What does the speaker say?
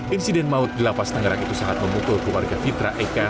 insiden maut di lapas tangerang itu sangat memukul keluarga fitra eka